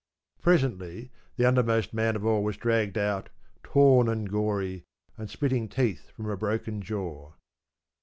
Presently, the undermost man of all was dragged out, torn and gory, and spitting teeth from a broken jaw.